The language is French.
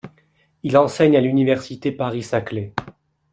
Il enseigne à l'université Paris-Saclay.